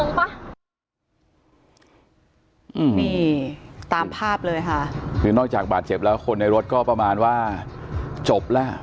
นี่ตามภาพเลยค่ะคือนอกจากบาดเจ็บแล้วคนในรถก็ประมาณว่าจบแล้ว